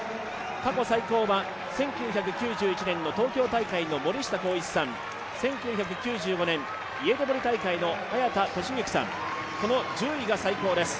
過去最高は１９９１年の東京大会の森下広一さん、１９９５年イエテボリ大会の早田俊幸さん、この１０位が最高です。